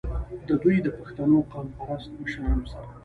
د دوي د پښتنو قام پرست مشرانو سره